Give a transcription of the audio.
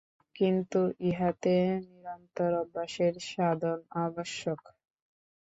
কিন্তু ইহাতে নিরন্তর অভ্যাসের সাধন আবশ্যক।